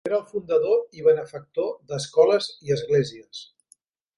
Era el fundador i benefactor d'escoles i esglésies.